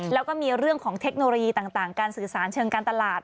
แล้วก็มีเรื่องของเทคโนโลยีต่างการสื่อสารเชิงการตลาด